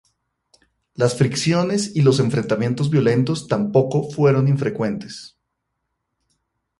Las fricciones y los enfrentamientos violentos tampoco fueron infrecuentes.